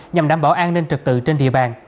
nhằm đảm bảo an ninh trực tự trên địa bàn